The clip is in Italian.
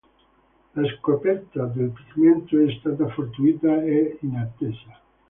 La scoperta del pigmento è stata fortuita e inattesa.